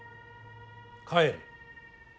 帰れ。